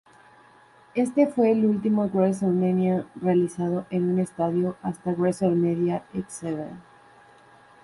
Este fue el último WrestleMania realizado en un estadio hasta WrestleMania X-Seven.